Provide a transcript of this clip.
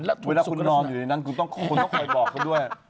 เวลาคุณนอนอยู่ในนั้นคุณต้องคุณต้องคอยบอกเขาด้วย